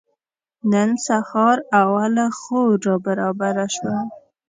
نن سهار اوله خور رابره شوه.